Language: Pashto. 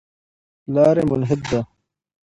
پلار یې ملحد دی.